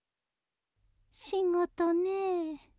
仕事ねぇ。